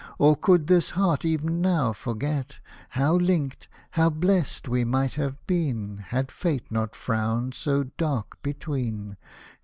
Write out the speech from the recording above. Or could this heart ev'n now forget How linked, how blessed we might have been, Had fate not frowned so dark between